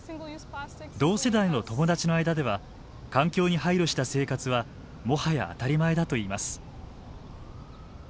同世代の友達の間では環境に配慮した生活はもはや当たり前だといいます。